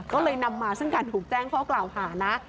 ก็เลยนำมาซึ่งการถูกแจ้งข้อกล่าวหานะ